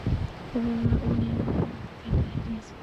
The president is only liable to the assembly in cases of high treason.